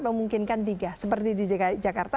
memungkinkan tiga seperti di dki jakarta